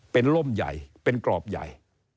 เป็นร่มใหญ่เป็นกรอบใหญ่